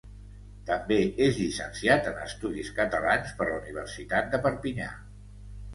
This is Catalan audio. També és llicenciat en Estudis Catalans per la Universitat de Perpinyà.